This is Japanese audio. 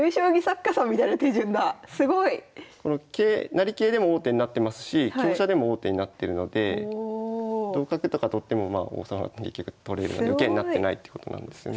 成桂でも王手になってますし香車でも王手になってるので同角とか取ってもまあ王様結局取れるので受けになってないってことなんですよね。